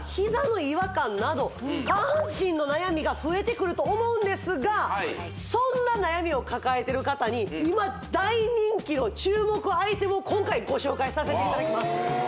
年々と思うんですがそんな悩みを抱えてる方に今大人気の注目アイテムを今回ご紹介させていただきます